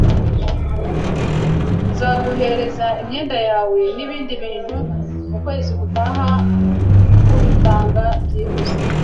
Nzaguhereza imyenda yawe nibindi bintu ukwezi gutaha kubitanga byihuse.